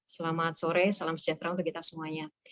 selamat sore salam sejahtera untuk kita semuanya